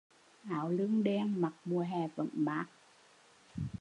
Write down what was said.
Áo lương đen mặc mùa hè vẫn mát